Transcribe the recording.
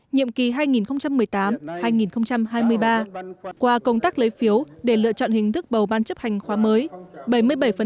nhiệm kỳ hai nghìn một mươi tám hai nghìn hai mươi ba qua công tác lấy phiếu để lựa chọn hình thức bầu ban chấp hành khóa mới